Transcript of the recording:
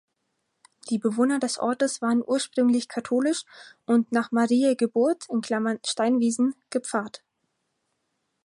Die Bewohner des Ortes waren ursprünglich katholisch und nach Mariä Geburt (Steinwiesen) gepfarrt.